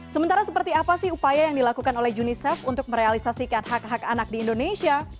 sementara seperti apa sih upaya yang dilakukan oleh unicef untuk merealisasikan hak hak anak di indonesia